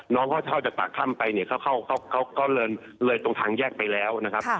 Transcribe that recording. น้องเขาเข้าจากปากถ้ำไปเนี่ยเขาก็เลยตรงทางแยกไปแล้วนะครับ